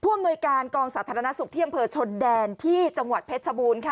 อำนวยการกองสาธารณสุขที่อำเภอชนแดนที่จังหวัดเพชรชบูรณ์ค่ะ